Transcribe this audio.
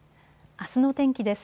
あすの天気です。